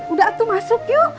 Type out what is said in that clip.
udah atu masuk yuk